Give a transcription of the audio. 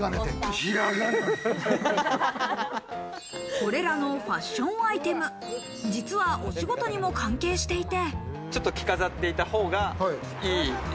これらのファッションアイテム、実はお仕事にも関係していて。